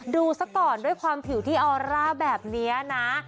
ซะก่อนด้วยความผิวที่ออร่าแบบนี้นะ